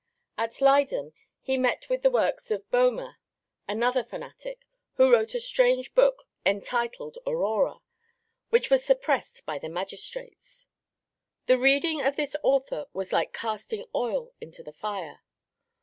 At Leyden he met with the works of Boehme, another fanatic, who wrote a strange book, entitled Aurora, which was suppressed by the magistrates. The reading of this author was like casting oil into the fire.